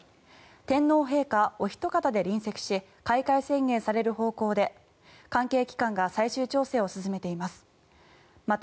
天皇陛下おひと方で臨席し開会宣言される方向で関係機関が最終調整を進めています。